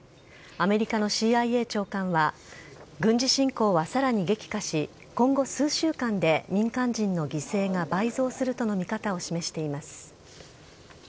アメリカのＣＩＡ長官は、軍事侵攻はさらに激化し、今後数週間で民間人の犠牲が倍増するとの見方を示しています